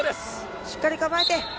しっかり構えて。